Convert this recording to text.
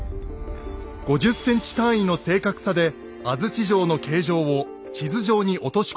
５０ｃｍ単位の正確さで安土城の形状を地図上に落とし込みます。